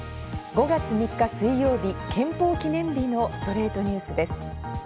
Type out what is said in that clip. ５月３日、水曜日、憲法記念日の『ストレイトニュース』です。